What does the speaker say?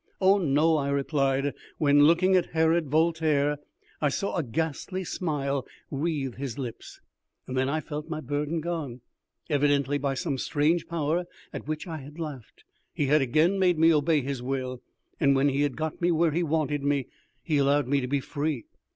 "Oh no," I replied, when, looking at Herod Voltaire, I saw a ghastly smile wreathe his lips, and then I felt my burden gone. Evidently by some strange power, at which I had laughed, he had again made me obey his will, and when he had got me where he wanted me, he allowed me to be free.